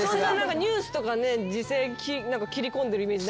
ニュースとか時世斬り込んでるイメージない。